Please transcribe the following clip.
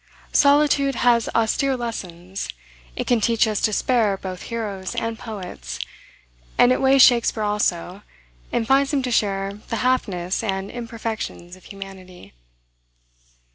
Solitude has austere lessons; it can teach us to spare both heroes and poets; and it weighs Shakspeare also, and finds him to share the halfness and imperfections of humanity.